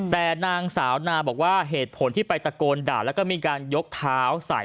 แต่นางสาวนาบอกว่าเหตุผลที่ไปตะโกนด่าแล้วก็มีการยกเท้าใส่